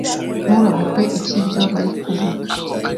nturabukwe icyo ibyo bari kuvuga